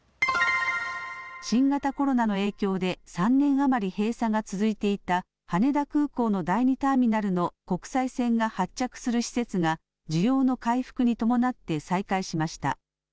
新型コロナの影響で３年余り閉鎖が続いていた羽田空港の第２ターミナルの国際線が発着する施設が需要の回復に伴って再開しました。